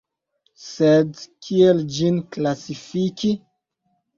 Sed kiel ĝin klasifiki?